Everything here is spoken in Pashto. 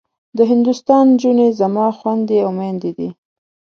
د هندوستان نجونې زما خوندي او مندي دي.